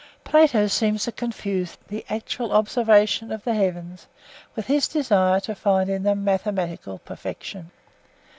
Plato seems to confuse the actual observation of the heavens with his desire to find in them mathematical perfection.